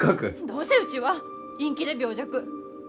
どうせうちは陰気で病弱。